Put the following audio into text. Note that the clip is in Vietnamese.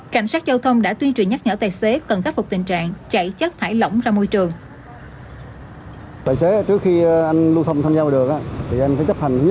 cảnh sát giao thông đã tuyên truyền nhắc nhở tài xế cần khắc phục tình trạng chảy chất thải lỏng ra môi trường